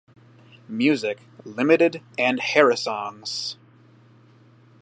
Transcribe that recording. Music, Limited and Harrisongs.